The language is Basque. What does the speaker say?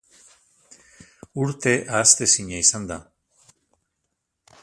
Urte ahaztezina izan da.